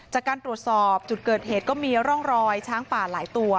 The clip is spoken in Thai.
จากการตรวจสอบจุดเกิดเหตุก็มีร่องรอยช้างป่าหลายตัว